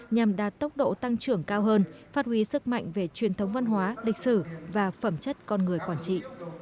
nhằm đạt tốc độ tăng trưởng cao hơn phát huy sức mạnh về truyền thống văn hóa lịch sử và phẩm chất con người quản trị